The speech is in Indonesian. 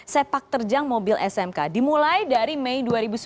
sepak terjang mobil smk dimulai dari mei dua ribu sembilan belas